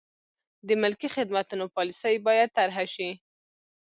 د ملکي خدمتونو پالیسي باید طرحه شي.